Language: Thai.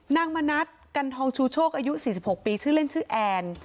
มณัฐกันทองชูโชคอายุ๔๖ปีชื่อเล่นชื่อแอน